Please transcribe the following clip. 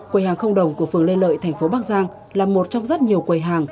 quầy hàng không đồng của phường lê lợi thành phố bắc giang là một trong rất nhiều quầy hàng